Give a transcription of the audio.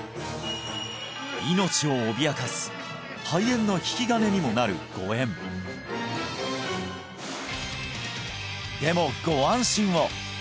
命を脅かす肺炎の引き金にもなる誤嚥でもご安心を！